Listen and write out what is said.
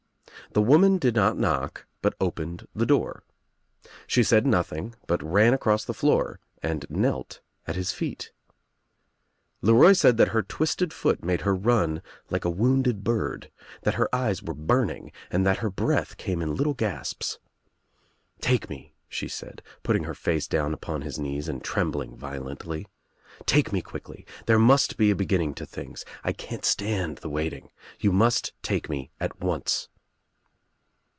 The woman did not knock but opened the door. She said nothing but ran across the floor and knelt at his feet. LeRoy ^ said that her twisted foot made her run like a wounded ' V bird, that her eyes were burning and that her breath came in little gasps. "Take me," she said, putting her face down upon his knees and trembling violently. "Take me quickly. There must be a beginning to things. I can't stand the waiting. You must take me at once."